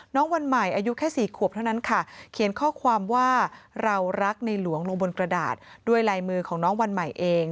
วันใหม่อายุแค่๔ขวบเท่านั้นค่ะเขียนข้อความว่าเรารักในหลวงลงบนกระดาษด้วยลายมือของน้องวันใหม่เอง